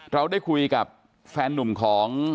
เราได้คุยกับแฟนนุ่มของ